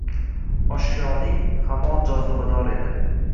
Oshyoning hamon jozibador edi.